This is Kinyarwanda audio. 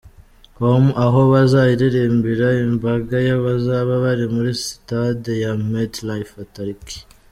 Home", aho bazayiririmbira imbaga yabazaba bari muri sitade ya MetLife tariki.